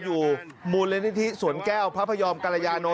อยู่มูลนิธิสวนแก้วพระพยอมกรยาโน